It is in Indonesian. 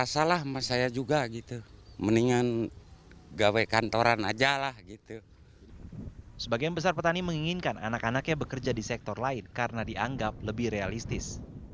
sebagian besar petani menginginkan anak anaknya bekerja di sektor lain karena dianggap lebih realistis